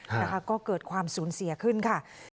นะคะก็เกิดความสูญเสียขึ้นค่ะ